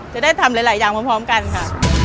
จะได้ทำหลายอย่างพร้อมกันค่ะ